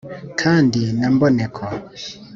kandi na mboneko,